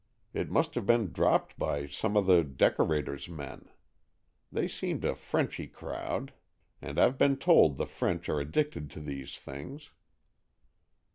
It must have been dropped by some of the decorator's men; they seemed a Frenchy crowd, and I've been told the French are addicted to these things."